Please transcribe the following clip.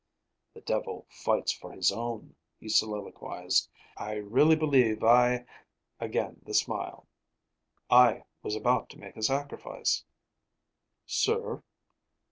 "The devil fights for his own," he soliloquized. "I really believe I," again the smile, "I was about to make a sacrifice." "Sir?"